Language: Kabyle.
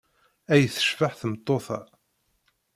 Ay tecbeḥ tmeṭṭut-a!